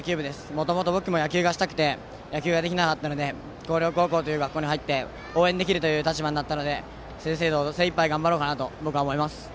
もともと僕も野球がしたくて野球ができなかったので広陵高校という高校に入って応援できるという立場になったので正々堂々、精いっぱい頑張ろうと思います。